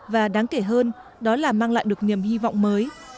và đáng kể hơn đó là mang lại được niềm hy vọng mới